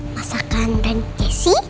masakan dan jessy